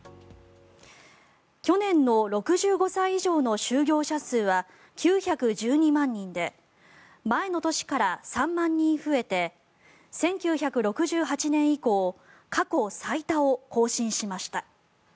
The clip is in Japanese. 去年の６５歳以上の就業者数は９１２万人で前の年から３万人増えて１９６８年以降過去最多を更新しました。